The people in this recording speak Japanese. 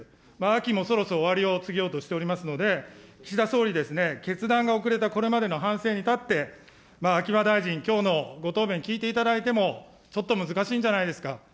秋もそろそろ終わりを告げようとしておりますので、岸田総理ですね、決断が遅れたこれまでの反省に立って、秋葉大臣、きょうのご答弁、聞いていただいても、ちょっと難しいんじゃないですか。